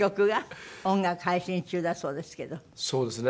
そうですね。